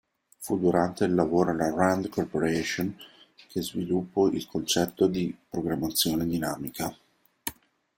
Fu durante il lavoro alla Rand Corporation che sviluppo il concetto di programmazione dinamica.